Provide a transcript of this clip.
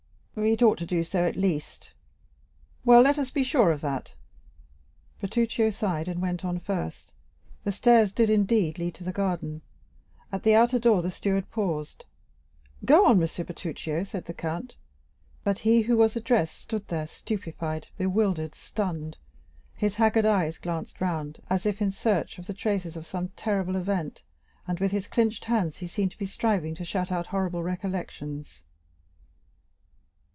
"It ought to do so, at least." "Well, let us be sure of that." Bertuccio sighed, and went on first; the stairs did, indeed, lead to the garden. At the outer door the steward paused. "Go on, Monsieur Bertuccio," said the count. But he who was addressed stood there, stupefied, bewildered, stunned; his haggard eyes glanced around, as if in search of the traces of some terrible event, and with his clenched hands he seemed striving to shut out horrible recollections.